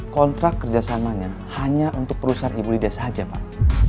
kontrak kerja samanya hanya untuk perusahaan di bulidia saja pak